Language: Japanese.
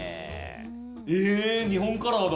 えー、日本カラーだ。